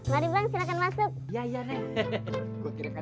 mariban silahkan masuk ya ya nek